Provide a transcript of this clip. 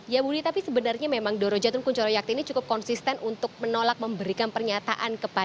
ya budi tapi sebenarnya memang doro jatun kunchoro yakti ini cukup konsisten untuk menolak memberikan pernyataan